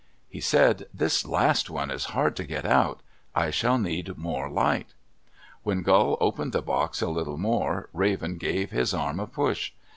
He said, "This last one is hard to get out. I shall need more light." When Gull opened the box a little more, Raven gave his arm a push.